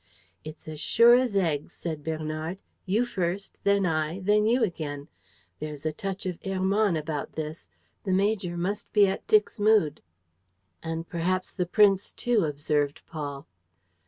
"It's as sure as eggs," said Bernard. "You first, then I, then you again. There's a touch of Hermann about this. The major must be at Dixmude." "And perhaps the prince, too," observed Paul.